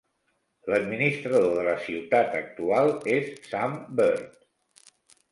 L'administrador de la ciutat actual és Sam Burt.